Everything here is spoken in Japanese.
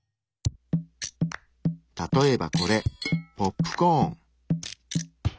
例えばこれポップコーン。